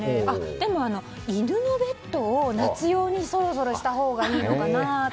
でも犬のベッドを夏用にそろそろしたほうがいいのかなと。